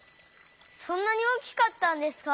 そんなに大きかったんですか？